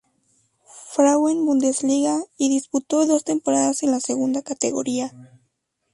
Frauen-Bundesliga y disputó dos temporadas en la segunda categoría.